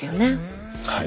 はい。